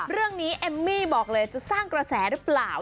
เรื่องนี้เอมมี่บอกเลยจะสร้างกระแสหรือเปล่า